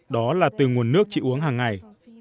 đó là từ nguồn nước chị uống hàng ngày